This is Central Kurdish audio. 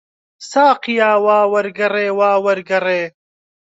ساقییا، وا وەرگەڕێ، وا وەرگەڕێ!